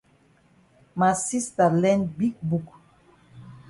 Ma sista learn big book.